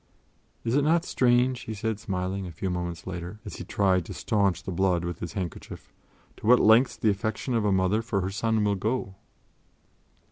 "Is it not strange," he said, smiling, a few moments later, as he tried to staunch the blood with his handkerchief, "to what lengths the affection of a mother for her son will go!"